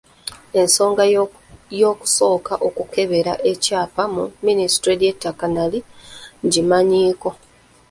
Ensonga y’okusooka okukebera ekyapa mu minisitule y'eby'ettaka nali ngimanyiiko.